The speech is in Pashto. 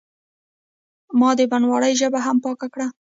ما د بڼوالۍ ژبه هم پاکه کړه.